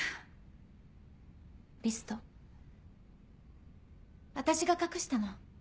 リスト私が隠したの。